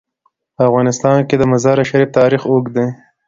په افغانستان کې د مزارشریف تاریخ اوږد دی.